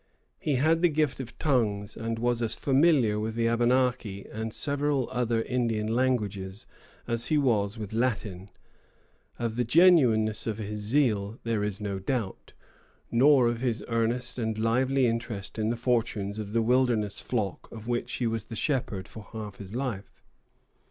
He had the gift of tongues, and was as familiar with the Abenaki and several other Indian languages as he was with Latin. Of the genuineness of his zeal there is no doubt, nor of his earnest and lively interest in the fortunes of the wilderness flock of which he was the shepherd for half his life.